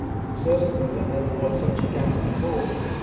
Certainly there never was such a gown before!